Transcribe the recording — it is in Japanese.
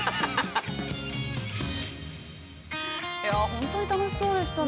◆本当に楽しそうでしたね。